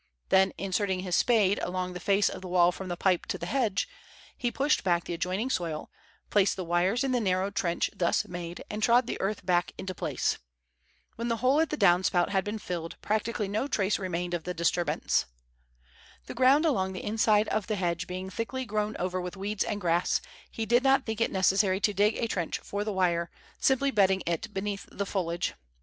Then inserting his spade along the face of the wall from the pipe to the hedge, he pushed back the adjoining soil, placed the wires in the narrow trench thus made, and trod the earth back into place. When the hole at the down spout had been filled, practically no trace remained of the disturbance. The ground along the inside of the hedge being thickly grown over with weeds and grass, he did not think it necessary to dig a trench for the wire, simply bedding it beneath the foliage.